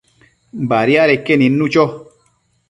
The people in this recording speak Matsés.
Badiadeque nidnu cho